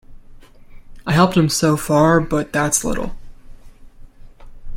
I helped him so far, but that's little.